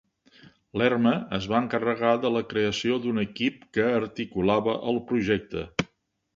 Lerma es va encarregar de la creació d"un equip que articulava el projecte.